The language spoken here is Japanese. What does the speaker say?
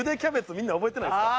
みんな覚えてないですか？